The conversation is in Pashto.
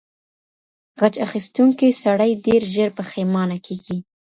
غچ اخیستونکی سړی ډیر ژر پښیمانه کیږي.